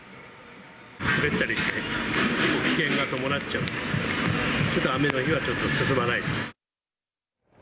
滑ったりして危険が伴っちゃうんで、ちょっと雨の日は、ちょっと進まないですね。